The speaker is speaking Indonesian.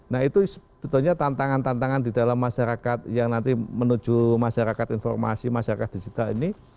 nah itu sebetulnya tantangan tantangan di dalam masyarakat yang nanti menuju masyarakat informasi masyarakat digital ini